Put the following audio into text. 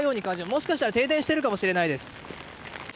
もしかしたら停電しているかもしれないです。